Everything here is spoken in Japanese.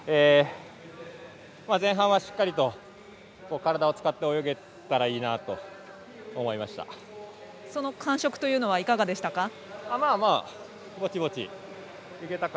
前半はしっかりと体を使って泳げたらその感触は、いかがでしたか。